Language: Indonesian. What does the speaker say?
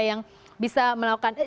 yang bisa melakukan